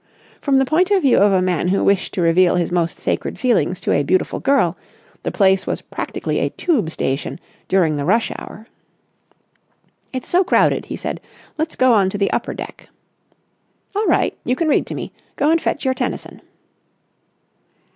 From the point of view of a man who wished to reveal his most sacred feelings to a beautiful girl, the place was practically a tube station during the rush hour. "It's so crowded," he said. "Let's go on to the upper deck." "All right. You can read to me. Go and fetch your Tennyson."